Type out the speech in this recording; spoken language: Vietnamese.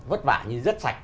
vất vả nhưng rất sạch